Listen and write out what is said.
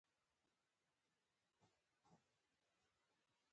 طبیعت د انسان روغتیا ته ګټه رسوي.